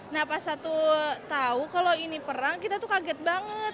nah pas satu tahu kalau ini perang kita tuh kaget banget